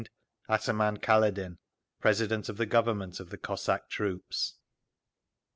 Signed: ATAMAN KALEDIN _President of the Government of the Cossack Troops.